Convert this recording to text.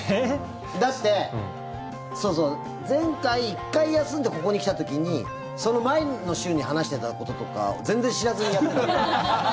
だって前回１回休んでここに来た時にその前の週に話してたこととか全然知らずにやってたもん。